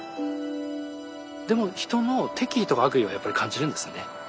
でも人の敵意とか悪意はやっぱり感じるんですよね。